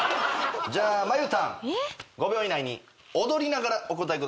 じゃあまゆたん５秒以内に踊りながらお答えください。